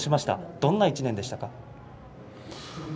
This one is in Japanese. どんな１年でしたか？